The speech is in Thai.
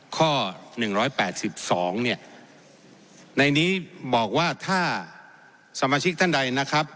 ข้อ๑๘๒เนี่ยในนี้บอกว่าถ้าสมาชิกท่านใดนะครับ